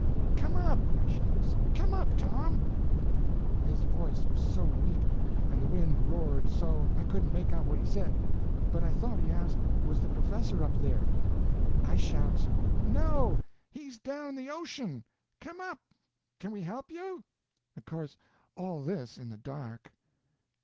"Come up!" I shouts; "come up, Tom!" His voice was so weak, and the wind roared so, I couldn't make out what he said, but I thought he asked was the professor up there. I shouts: "No, he's down in the ocean! Come up! Can we help you?" Of course, all this in the dark.